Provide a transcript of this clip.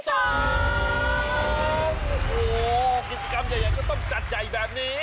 โอ้โหกิจกรรมใหญ่ก็ต้องจัดใหญ่แบบนี้